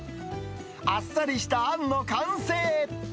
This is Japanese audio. あっしりしたあんの完成。